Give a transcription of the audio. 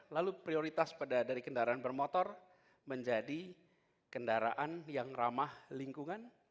lalu prioritas dari kendaraan bermotor menjadi kendaraan yang ramah lingkungan